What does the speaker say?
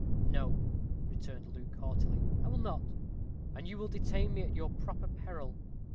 "No," returned Luke, haughtily, "I will not and you will detain me at your proper peril."